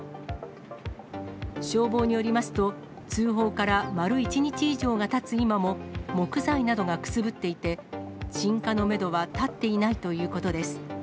消防によりますと、通報から丸１日以上がたつ今も、木材などがくすぶっていて、鎮火のメドは立っていないということです。